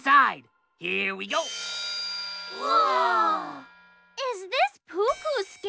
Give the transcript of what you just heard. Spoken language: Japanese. うわ！